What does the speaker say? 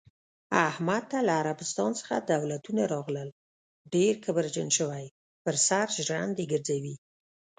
احمد ته له عربستان څخه دولتونه راغلل، ډېر کبرجن شوی، په سر ژرندې ګرځوی.